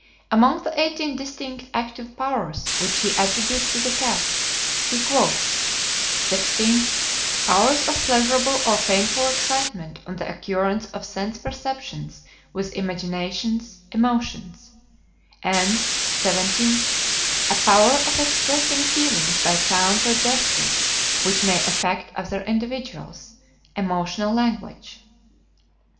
Among the eighteen distinct active powers which he attributes to the cat, he quotes: "16th, powers of pleasurable or painful excitement on the occurrence of sense perceptions with imaginations, emotions;" and "17th, a power of expressing feelings by sounds or gestures which may affect other individuals, emotional language."